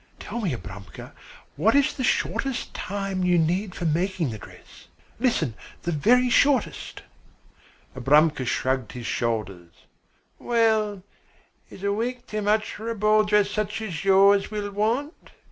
Tell me, Abramka, what is the shortest time you need for making the dress? Listen, the very shortest?" Abramka shrugged his shoulders. "Well, is a week too much for a ball dress such as you will want?